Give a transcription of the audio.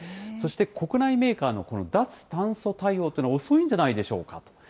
そして、国内メーカーの脱炭素対応というのは遅いんじゃないでしょうかと。